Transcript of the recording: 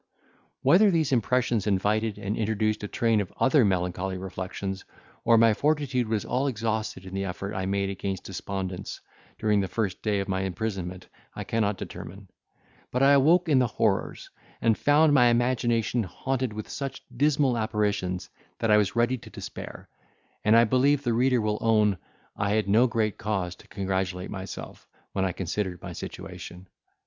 Whether these impressions invited and introduced a train of other melancholy reflections, or my fortitude was all exhausted in the effort I made against despondence, during the first day of my imprisonment, I cannot determine; but I awoke in the horrors, and found my imagination haunted with such dismal apparitions, that I was ready to despair: and I believe the reader will own, I had no great cause to congratulate myself, when I considered my situation.